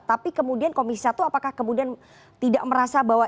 tapi kemudian komisi satu apakah kemudian tidak merasa bahwa